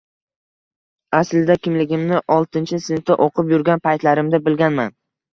Aslida kimligimni oltinchi sinfda o`qib yurgan paytlarimda bilganman